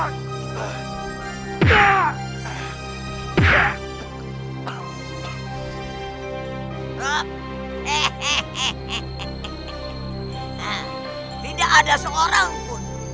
tidak ada seorang pun